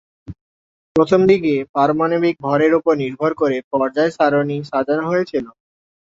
প্রথমদিকে পারমাণবিক ভরের উপর নির্ভর করে পর্যায় সারণি সাজানো হয়েছিল।